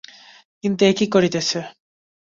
কিন্তু, এ কী করিতেছি।